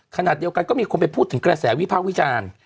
ขณะเดียวกันก็มีคนไปพูดถึงกระแสวิพากษ์วิจารณ์